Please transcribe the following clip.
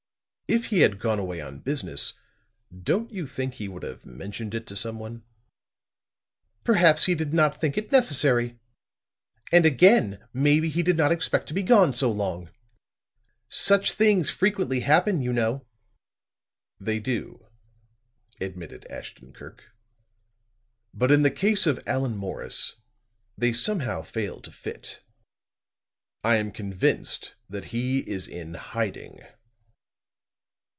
"If he had gone away on business, don't you think he would have mentioned it to someone?" "Perhaps he did not think it necessary. And again, maybe he did not expect to be gone so long. Such things frequently happen, you know." "They do," admitted Ashton Kirk. "But in the case of Allan Morris, they somehow fail to fit. I am convinced that he is in hiding."